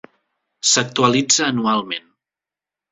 S'actualitza anualment.